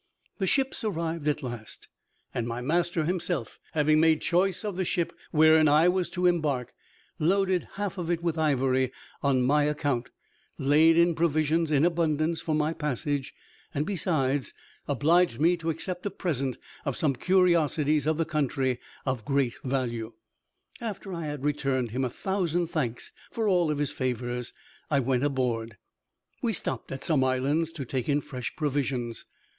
The ships arrived at last, and my master himself having made choice of the ship wherein I was to embark, loaded half of it with ivory on my account, laid in provisions in abundance for my passage, and besides obliged me to accept a present of some curiosities of the country of great value. After I had returned him a thousand thanks for all his favors I went aboard. We stopped at some islands to take in fresh provisions.